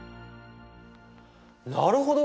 なるほど。